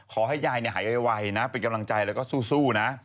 ขอให้ยายหายไวนะเป็นกำลังใจแล้วก็สู้นะ